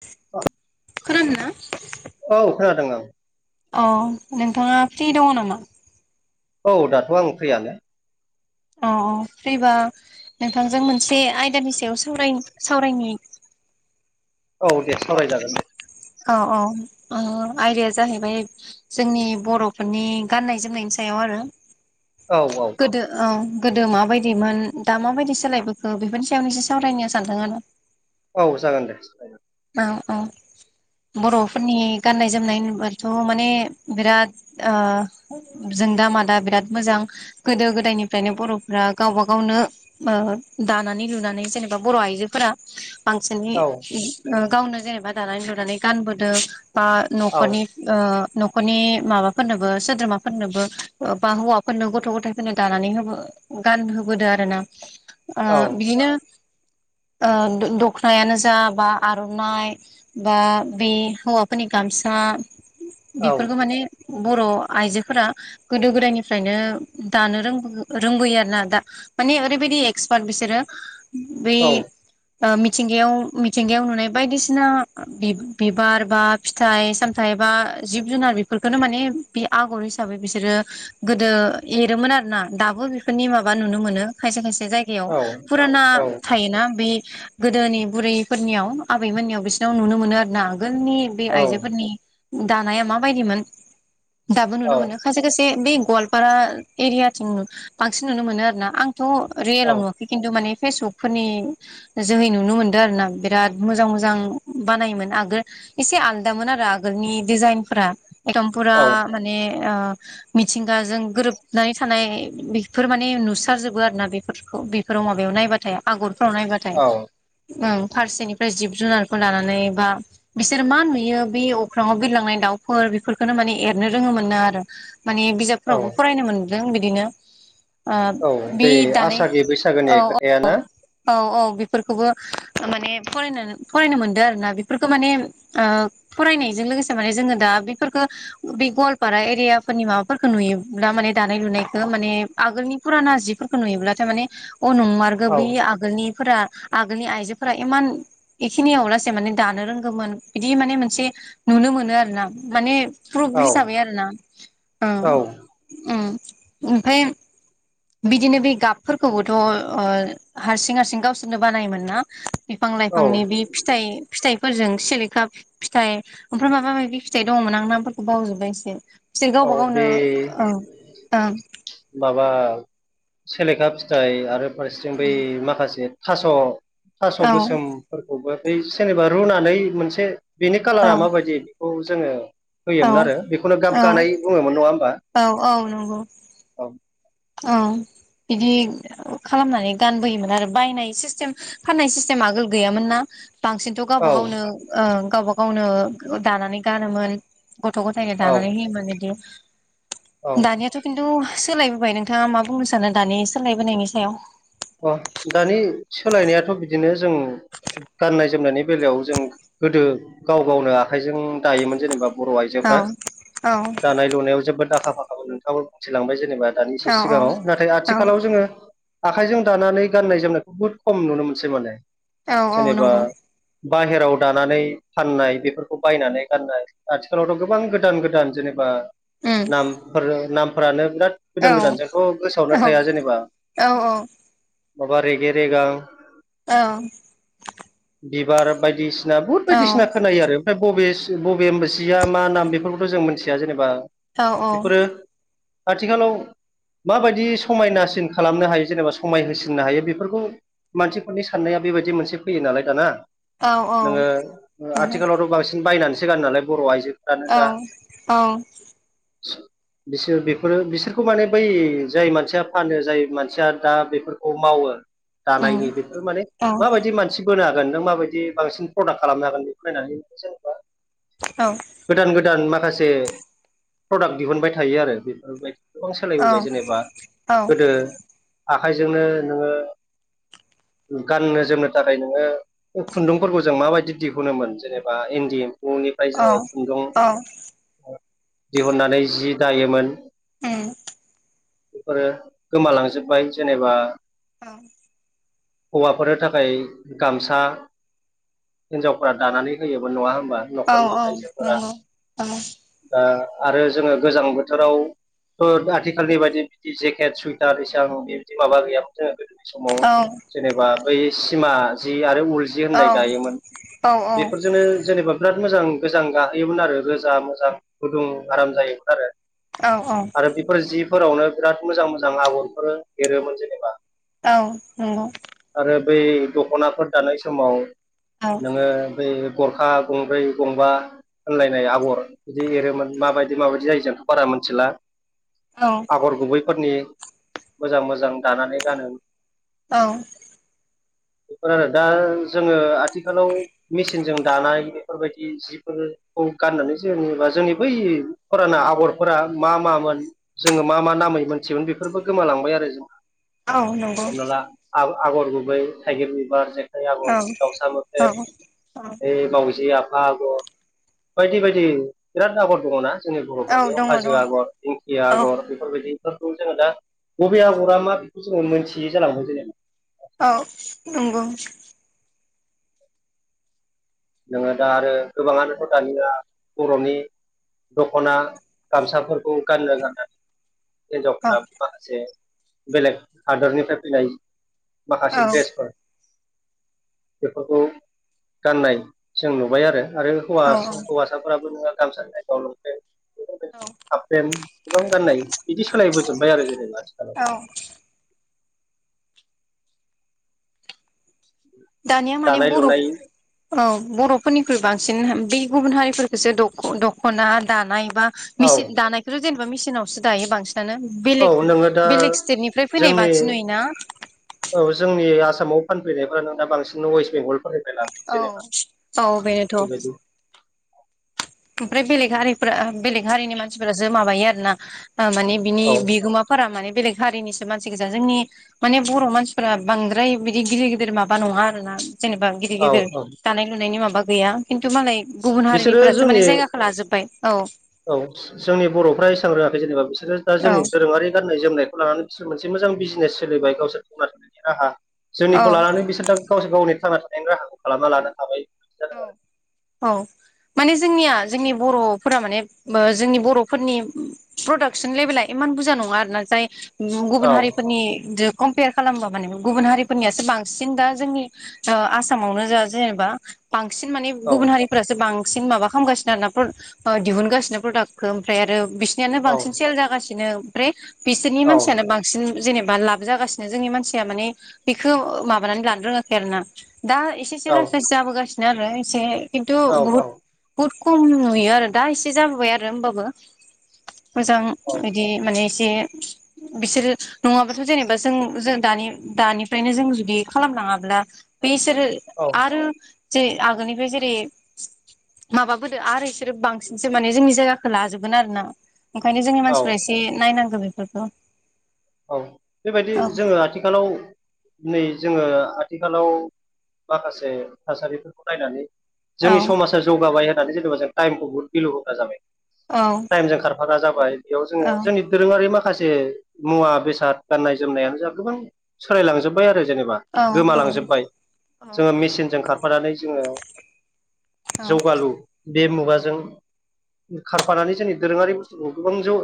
[unintelligible] खोनादोना? औ खोनादों आं औ नोंथाङा फ्रि दङ नामा? औ दाथ' आं फ्रियानो औ औ फ्रिबा नोंथांजों मोनसे आयदानि सायाव सा सावरायनि औ दे सावरायजागोन दे औ औ आयदाया जाहैबाय जोंनि बर'फोरनि गाननाय जोमनायनि सायाव आरो औ औ गोदो औ गोदो माबायदिमोन दा माबायदि सोलायबोखो बेफोरनि सायावनो एसे सावरायनो सानदों आरो औ जागोन दे औ औ बर'फोरनि गाननाय जोमनाय होनबाथ' माने बिराद ओ जों दा मा दा बिराद मोजां गोदो गोदायनिफ्रायनो बर'फोरा गावबा गावनो दानानै लुनानै जेनेबा बर' आइजोफोरा बांसिनै औ ओ गावनो जेनेबा दानानै लुनानै गानबोदों बा औ न'खरनि ओ न'खरनि माबाफोरनोबो सोद्रोमाफोरनोबो बा हौवाफोरनो गथ' गथायफोरनो दानानै होबो गानहोबोदो आरो ना ओ औ बिदिनो ओ दखनायानो जा बा आर'नाइ बा बे हौवाफोरनि गामसा औ बेफोरखौ माने बर' आइजोफोरा गोदो गोदायनिफ्रायनो दानो रों-रोंबोयो आरोना दा माने ओरैबायदि एक्सपार्ट बिसोरो बै औ ओ मिथिंगायाव थिंगायाव नुनाय बायदिसिना बि-बिबार बा फिथाइ सामथाइ बा जिब जुनार बेफो बेखौनो माने बे आगर हिसाबै बिसोरो गोदो एरोमोन आरोना दाबो बेफोरनि माबा नुनो मोनो खायसे खायसे जायगायाव फुराना औ थायोना बे गोदोनि बुरै फोरनियाव आबैमोननियाव बिसिनियाव नुनो मोनो आरो ना आगोलनि बे आइजोफोरनि दानाया माबायदिमोन दाबो नुनो मोनो खायसे खायसे बे गवालपारा एरियाथिं बांसिन नुनो मोनो आरना आंथ' रियेलाव नुवाखै खिन्थु माने फेसबुकफोरनि जोहै नुनो मोनदों आरोना बिराद मोजां मोजां बानायोमोन आगोल एसे आलदामोन आरो आगोलनि डिजाइनफोरा एदम फुरा माने ओ मिथिंगाजों गोरोबनानै थानाय बेफोर माने नुसार जोबो आरोना बेफोर खौ बेफोराव माबायाव नायबाथाय आगरफ्राव नायबाथाय औ उम फारसेनिफ्राय जिब जुनारखौ लानानै बा बिसोर मा नुयो बे अख्राङाव बिरलांनाय दाउफोर बेफोरखौनो माने एरनो रोङोमोनो आरो माने बिजाबफोरावबो फरायनो मोनदों बिदिनो ओ औ बे दानाय आसागि बैसागोनि औ औ खोथाया ना औ औ औ बेफोरखौबो माने फरायनो फरायनो मोनदों आरो ना बेफोरखौ माने फरायनायजों लोगोसे माने जोङो दा बेफोरखो गवालारा एरिया फोरनि माबाफोरखौ नुयोब्ला माने दानाय लुनायखो माने आगोलनि फुराना जिफोरखौ नुयोब्लाथाय माने अ नंमारगो औ बै आगोलनिफोरा आगोलनि आइजो फोरा इमान एखिनियावलासे माने दानो रोंगोमोन बिदि माने मोनसे नुनो मोनो आरोना माने प्रुप औ हिसाबै आरोना औ उम उम ओमफाय बिदिनो बे गाबफोरखौबोथ' ओ हारसिं हारसिं गावसोरनो बानायोमोन ना बिफां औ लाइफांनि बे फिथाइ-फिथाइ फोरजों सिलेखा फिथाइ ओमफ्राय माबा माबि फिथाइ दङ'मोन आं नामफोरखौ बावजोबबायसो। बिसोर औ गावबा गावनो बे औ ओं माबा सेलेखा फिथाइ आरो फारसेथिं बै माखासे थास' थास' ओं गोसोमफोरखौबो बै जेनेबा रुनानै मोनसे बेनि औ कालारा माबायदि खौ जोङो औ होयोमोन आरो बेखौनो गाब औ गानाय बुङोमोन नङा होमबा? औ औ नंगौ। औ औ बिदि खालामनानै गानबोयोमोन आरो बायनाय सिस्टेम फाननाय सिस्टेम आगोल गैयामोन ना? बांसिनथ' गावबा औ गावनो ओ गावबा गावनो दानानै गानोमोन। गथ' ग'थायनो औ दानानै होयोमान इदि औ दानियाथ' खिनथु सोलायबोबाय नोंथाङा मा बुंनो सानो दानि सोलायबोनायनि सायाव अ दानि सोलायनायाथ' बिदिनो जों गाननाय जोमनायनि बेलायाव जों गोदो गाव गावनो आखाइजों दायोमोन। जेनेबा बर' औ आइजोफ्रा औ दानाय लुनायाव जोबोद आखा फाखाब नोंथाङाबो बुंथिलांबाय जेनेबा दानदिसो औ सिगाङाव नाथाय औ आथिखालाव जोङो आखाइजों दानानै गाननाय जोमनायखौ बुहुत खम नुनो मोनसै माने औ औ नंगौ। बाहेरायाव दानानै फाननाय बेफोरखौ बायनानै गाननाय आथिखालावथ' गोबां गोदान गोदान जेनेबा उम नामफोर नामफोरानो बिराद औ गोदान गोदान जोंथ' औ गोसोयावनो थाया जेनेबा औ माबा रेगेरेगां औ बिबार बायदिसिना बुहुद बायदिसिना खोनायो आरो ओमफ्राय बबे बबे सिया मा नाम बेफोरखौथ' जों मिथिया जेनेबा औ औ बेफोरो आथिखालाव माबायदि समायनासिन खालामनो हायो जेनेबा। समाय होसिननो हायो बेफोरखौ मानसिफोरनि साननाया बेबायदि मोनसे फैयो नालाय दाना नोङो नंगौ आथिखालावथ' बांसिन बायनानैसो गोनो नालाय बर' आइजो औ औ बिसोर बेफोरो बिसोरखौ माने बै जाय मानसिया फानो जाय मानसिया दा बेफोरखौ मावो दानायनि उम बेफोर माने औ माबायदि मानसि होनोनो हागोन नों माबायदि बांसिन प्रडाक्ट खालामनो हागोन बेखौ नायनानै जेनेबा गोदान गोदान माखासे प्रडाक्ट दिहुनबाय थायो आरो बेफोरबाय गोबां सोलायबोबाय जेनेबा औ गोदो आखाइजोंनो नोङो [inaudible] गाननो जोमनो थाखाय नोङो खुनदुंफोरखौ जों माबायदि दिहुनोमोन जेनेबा इनदि न'निफ्राय जोङो खुनदु दिहुननानै जि दायोमोन। ओम बेफोरो गोमालांजोबाय जेनेबा ओम हौवाफोरनि थाखाय गामसा हिनजावफ्रा दानानै होयोमोन नङा होन बा औ न'खरनि आइजोफोरा नंगौ ओ आरो जोङो गोजां बोथोराव थ' आथिखालनि बायदि बिदि जेकेट सुइटार सिगाङाव बेबादि माबा गैयामोन जो गोदोनि औ समाव जेनेबा बै सिमा जि आरो उल सि औ होननाय दायोमोन औ बेफोरजोंनो जेनेबा बिराद मोजां गोजां गाहोयोमोन आरो रोजा मोजां गुदुं आराम जायोमोन आरो। औ औ औ आरो बेफोर जिफोरावनो बिराद मोजां मोजां आगरफोर एरोमोन जेनेबा औ नोंंगौ आरो बै दख'नाफोर दानाय समाव औ नोङो बै गरखा गंब्रै गंबा होनानलायनाय आगर बिदि एरोमोन माबायदि माबायदि जायो जोंथ' बारा मिथिला आगर गुबैफोरनि मोजां मोजां दानानै गानो। औ बेफोर आरो दा जोङो आथिखालाव मेसिनजों दानाय बेफोरबायदि जिफोरखौ गाननानै जेनेबा जोंनि बै फुराना आगरफोरा मा मामोन जोङो मा मा नामै मोनथियोमोन बेफोरबो गोमालांबाय आरो जोंना औ नंगौ आगर गुबै थाइगिर बिबार जेखाइ आगर औ दाउसा औ मोख्रेब मावाउजि आब आगर बायदि बायदि बिराद आगर दङ ना? जोंनि बर' औ फोरनियाव दङ हाजो दङ आगर दिंखिया औ आगर बेफोरबायदिफोरखौ जोङो दा बबे आगरा मा बेखौ जोङो मोनथियै जालांबाय जेनेबा औ नंगौ नोङो दा आरो गोबाङानोथ' दानिया बर'नि दख'ना गामसाफोरखौ गाननो थाखाय औ हिनजावफ्रा माखासे बेलेग हादरनिफ्राय फैनाय औ माखासे ड्रेसफोर बेफोरखौ गाननाय जों नुबाय आरो आरो हौवा औ हौवासाफोराबो नोङो गामसानि जायगायाव लंपेन्ट हाफपेन्ट गोबां गाननाय बिदि सोलायबोजोबबाय आरो जेनेबा आथिखालाव [inaudible] दानिया माने दानाय बर'औ लुनाय बर' फोरनिख्रुय बांसिन बे गुबुन हारिफोरखौसो दख'ना दानाय बा औ मिसिन दानायखौ जेनेबा मिसिनावसो दायो बांसिन औ बेले नोङो दा बेलेग स्टेटनिफ्राय फैनाय जोंनि बांसिन नुयोना। औ जोंनि आसामाव फानफैनायफ्रानो दा बांसिन वेष्ट बेंगल [unintelligible] औ जेनेबा औ बे बेनोथ' बादि ओमफ्राय बेलेग हारिफ्रा बेलेग हारिनि मानसिफोरासो माबायो आरो ना। माने बिनि औ बिगोमाफोरा माने बेलेग हारिनिसो मानसि गोजा जोंनि माने बर' मानसिफोरा बांद्राय बिदि गिदिर गिदिर माबा नङा आरोना जेनेबा गिदिर औ गिदिर औ दानाय लुनायनि माबा गैया खिन्थु मालाय गुबुन बिसोरो हारिनिफोरा जोंनि औ जोंनि बर'फ्रा एसां रोङाखै जेनेबा बिसोरो दा औ जोंनि दोरोङारि गाननाय जोमनायखौ लानानै बिसोर मोनसे मोजां बिजनेस सोलिबाय गावसोर थांना थानायनि राहा औ जोंनिखौ लानानै बिसोर दा गावसोर गावनि थांना थानायनि राहाखौ खालामना लानो हाबाय औ औ माने जोंनिया जोंनि बर'फोरा माने जोंनि बर'फोरनि प्रडाक्सन लेभेला बुरजा नङा आरो ना जाय गुबुन औ हारिफोरनि कम्पेयार खालामबा माने गुबुन हारिफोरनियासो बांसिन दा जोंनि आसामावनो जा जेनेबा बांसिन माने औ गुबुन हारिफ्रासो बांसिन सिन माबा खालामगासिनो आरोना प्र दिहुनगासिनो प्रदाकखौ ओमफ्राय आरो बिसिनियानो औ बांसिन सेल जागासिनो ओमफ्राय बिसोरनि औ मानसियानो बांसिन जेनेबा लाब जागासिनो जोंनि मानसिया माने बेखौ माबानानै लानो रोङाखै आरो ना दा एसे एसे औ लासै लासै जाबोगासिनो आरो एसे खिन्थु बुहुत बुहुत खम नुयो आरो दा एसे जाबोबाय आरो होमबाबो मोजां बिदि माने जे बिसोरो नङाबाथ' जेनेबा जों जों दानि दानिफ्रायनो जों जुदि खालामलाङाब्ला बेसोरो औ आरो जै आगोलनिफ्राय जेरै माबाबोदो आरो इसोरो बांसिनसो माने जोंनि जायगाखौ लाजोबगोन आरोना ओंखायनो जोंनि औ मानसिफ्रा एसे नायनांगौ बेफोरखौ औ बेबायदि औ जोङो आथिखालाव नै जोङो आथिखालाव माखासे थासारिफोरखौ नायनानै औ जोंनि समाजा जौगाबाय होननानै जेनेबा जों टाइमखौ बहुद भिलु होग्रा जाबाय। औ टाइमजों खारफाग्रा जाबाय बेयाव जोङो औ जोंनि दोरोङारि माखासे मुवा बेसाद गाननाय जोमनायानो जा गोबां सोलायलांजोब्बाय आरो। जेनेबा औ नंगौ गोमालांजोबबाय औ जोङो मेसिनजों खारफानानै जोङो औ जौगालु बे मुगाजों खारफानानै जोंनि दोरोङारि बुस्थुखौ गोबां जों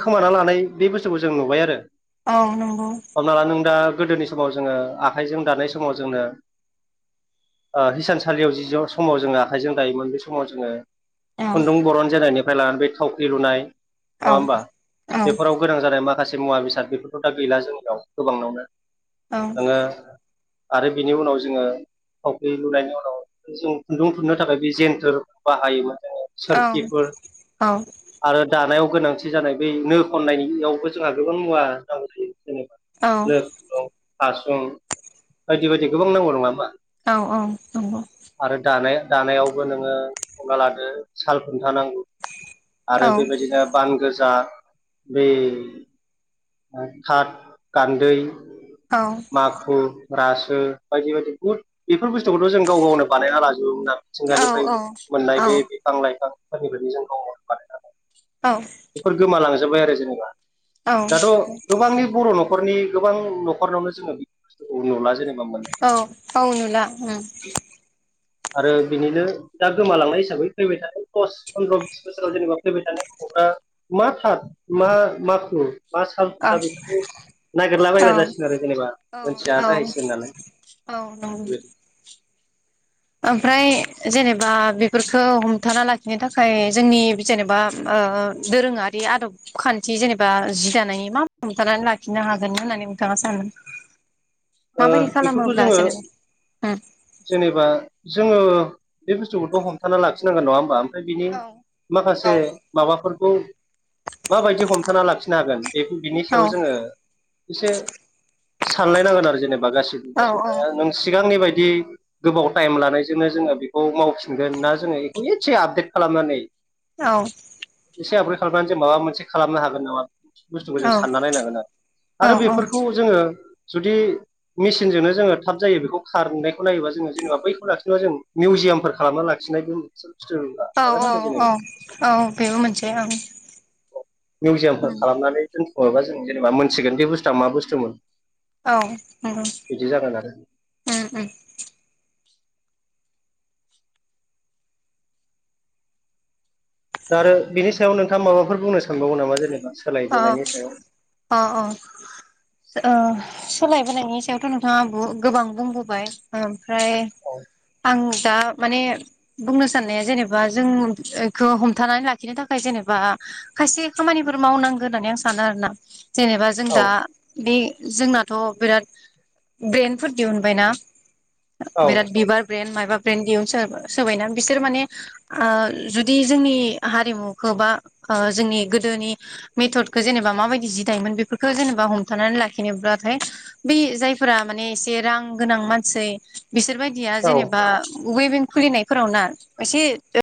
खोमाना लानाय बे बुस्थु खौ जों नुबाय आरो। औ नंगौ। हमना ला नों दा गोदोनि समाव जोङो आखाइजों दानाय समाव जोंनो ओ हिसानसालियाव जि ज समाव जोङो आखाइजों दायोमोन बे समाव जोङो औ खुन्दुं बरन जेनानायनिफ्राय लानानै बे थावख्रि लुनाय नङा औ होमबा औ बेफोराव गोनां जानाय मासे मुवा बेसाद बेफोरथ' दा गैला जोंनियाव गोबांनावनो औ नोङो आरो बिनि उनाव जोङो थावख्रि लुनायनि उनाव जों खुन्दुं थुननो थाखाय बे जेन्थोर बाहायोमोन। औ सोरखिफोर औ आरो दानायाव गोनांथि जानाय बै नो खननायनि इयावबो जोंहा गोबां मुवा नांगौ जायो। जेनेबा औ नो खुन्दुं हासुं बायदि बायदि गोबां नांगौ नङा होमबा? औ औ नंगौ आरो दानाय दानायावबो नोङो हमना लादो साल खुन्था नांगौ। औ आरो बेबायदिनो बान गोजा बे थाथ गान्दै औ माखु रासो बायदि बायदि बुहुद बेफोर बुस्थुखौथ' जों गाव गावनो बानायना लाजो। जाबोमोन आरो औ मिथिंगानिफ्राय मोननाय बे बिफां लाइफांफोरनि बायदि जों औ [unintelligible] बेफोर गोमालांजोबबाय आरो जेनेबा दाथ' औ गोबांनि बर' न' खरनि गोबां न'खरनावनो जोङो बे बस्थुखौ नुला जेनेबा मोनला औ औ नुला उम आरो बिनिनो दा गोमालांनाय हिसाबै फैबाय थानाय दस फन्द्र' बिस बोसोराव जेनेबा फैबाय थानाय गथ'फ्रा मा थार मा माखु मा साल औ खुन्था बेफोरखौ नागिरला औ बायग्रा जासिगोन आरो जेनेबा औ औ मोनथिया जाहैसिगोन नालाय औ नंगौ बेदि ओमफ्राय जेनेबा बेफोरखौ हमथाना लाखिनो थाखाय जोंनि जेनेबा मा ओ दोरोङारि आदब खान्थि जेनेबा जि दानायनि मा हमथानानै लाखिनो हागोन होननानै थाङा सानो ओ माबायदि बेखौथ' खालामोब्ला जोङो जेनेबा जेनेबा जोङो बे बुस्थुखौथ' हमथाना लाखिनांगोन नङा होमबा? फ्राय बिनि माखासे उम माबाफोरखौ माबायदि हमथाना लाखिनो हागोन बे बिनि औ सायाव जोङो एसे सानलायनांगोन आरो जेनेबा गासि औ [unintelligible] नों सिगांनि बायदि गोबाव टाइम लानायजोंनो जोङो बेखौ मावफिनगोन ना जोङो बेखौ एसे आपडेट खालामनानै औ एसे आपग्रेड खालामनानै जों माबा मोनसे खालामनो हागोन नामा? बुस्थुखौ औ जों सानना नायनांगोन आरो आरो औ औ बेफोरखौ जोङो जुदि मेसिनजोंनो जोङो थाब जायो बेखौ खारनायखौ नायोबा जोङो जेनेबा बै लाखिनोबा जों मिउजियामफोर खालामना लाखि खिनायबो औ औ औ औ बेबो मोनसे ओं मिउजियामफोर खालामनानै दोनथुमोबा जों जेनेबा मोनथिगोन बे बुस्थुआ मा बुस्थुमोन? औ बिदि जागोन आरो नंगौ दा आरो बिनि सायाव नोंथाङा माबाफोर बुंनो सानबावो नामा जेनेबा? औ सोलायबोनायनि सायाव अ अ ओ सोलायबोनायनि सायावथ' नोंथाङा बु गोबां बुंबोबाय ओ ओमफ्राय औ आं दा माने बुंनो साननाया जेनेबा जों इखौ हमथानानै लाखिनो थाखाय जेनेबा खायसे खामानिफोर मावनांगौ होननानै आं सानो आरोना जेनेबा जों औ दा बे जोंनाथ' बिराद ब्रेन्डफोर दिहुनबायना बिराद औ बिबार ब्रेनद मा बा ब्रेन्द दिहुनसो सोबायना बिसोर माने ओ जुदि जोंनि हारिमुखौ बा ओ जोंनि गोदोनि मेथदखौ जेनेबा माबायदि जि दायोमोन बेफोरखौ जेनेबा हमथानानै लाखिनोब्लाथाय बे जायफोरा माने एसे रां गोनां मानसि बिसोर बायदिया औ जेनेबा उइबिं खुलिनायफोराव ना एसे